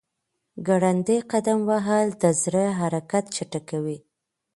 ګړندی قدم وهل د زړه حرکت چټکوي.